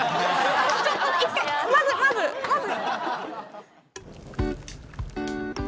ちょっと一回まずまずまず。